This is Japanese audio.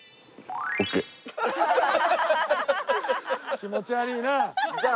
気持ち悪いなあ。